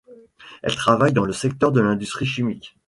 Elle travaille dans le secteur de l'industrie chimique.